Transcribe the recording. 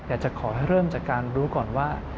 อยากจะขอให้เริ่มจากการรู้ก่อนว่า